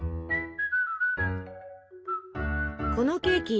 このケーキ